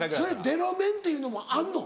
デロ麺っていうのもあんの？